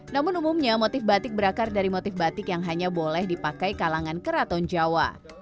namun umumnya motif batik berakar dari motif batik yang hanya boleh dipakai kalangan keraton jawa